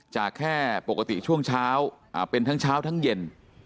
แค่ปกติช่วงเช้าเป็นทั้งเช้าทั้งเย็น